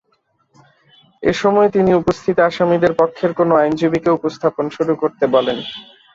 এ সময় তিনি উপস্থিত আসামিদের পক্ষের কোনো আইনজীবীকে উপস্থাপন শুরু করতে বলেন।